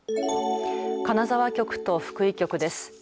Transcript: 金沢局と福井局です。